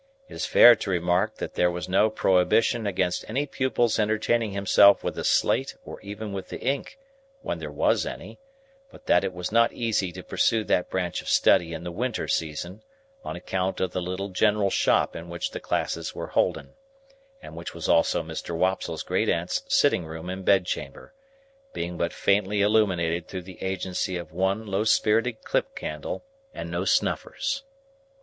It is fair to remark that there was no prohibition against any pupil's entertaining himself with a slate or even with the ink (when there was any), but that it was not easy to pursue that branch of study in the winter season, on account of the little general shop in which the classes were holden—and which was also Mr. Wopsle's great aunt's sitting room and bedchamber—being but faintly illuminated through the agency of one low spirited dip candle and no snuffers.